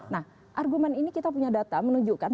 nah argumen ini kita punya data menunjukkan